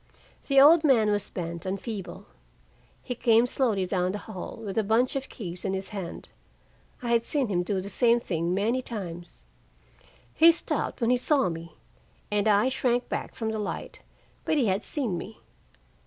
The old man was bent and feeble; he came slowly down the hall, with a bunch of keys in his hand. I had seen him do the same thing many times. He stopped when he saw me, and I shrank back from the light, but he had seen me.